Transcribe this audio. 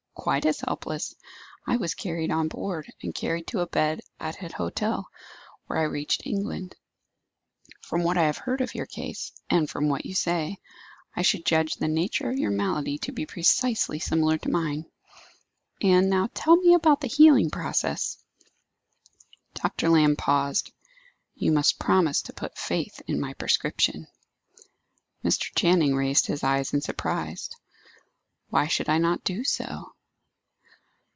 "Quite as helpless. I was carried on board, and carried to a bed at an hotel when I reached England. From what I have heard of your case, and from what you say, I should judge the nature of your malady to be precisely similar to mine." "And now tell me about the healing process." Dr. Lamb paused. "You must promise to put faith in my prescription." Mr. Channing raised his eyes in surprise. "Why should I not do so?"